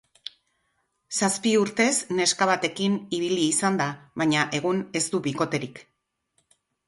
Zazpi urtez neska batekin ibili izan da, baina egun ez du bikoterik.